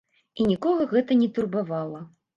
І нікога гэта не турбавала.